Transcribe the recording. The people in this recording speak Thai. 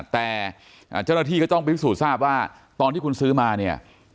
แต่เจ้าหน้าที่ก็ต้องพิสูจน์ทราบว่าตอนที่คุณซื้อมาเนี่ย